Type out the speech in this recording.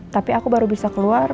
tapi aku baru bisa keluar